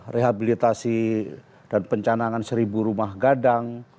rehabilitasi dan pencanangan seribu rumah gadang